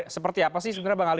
seperti apa sih